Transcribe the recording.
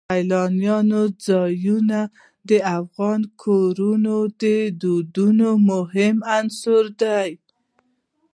سیلانی ځایونه د افغان کورنیو د دودونو مهم عنصر دی.